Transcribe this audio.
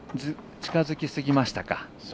近づきすぎましたか。